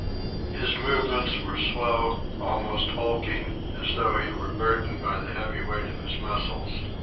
His movements were slow, almost hulking, as though he were burdened by the heavy weight of his muscles.